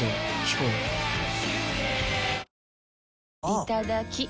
いただきっ！